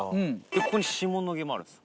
ここに下野毛もあるんですよ。